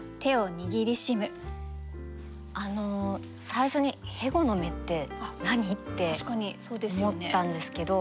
最初に「ヘゴの芽」って何？って思ったんですけど。